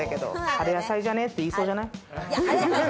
春野菜じゃね？って言いそうじゃない？